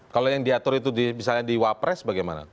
kalau yang diatur itu misalnya di wapres bagaimana